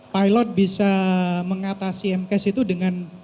pilot bisa mengatasi m cash itu dengan